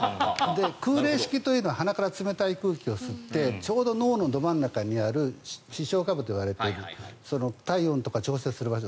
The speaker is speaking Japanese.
空冷式というのは鼻から冷たい空気を吸ってちょうど脳のど真ん中にある視床下部といわれている体温とか調整する場所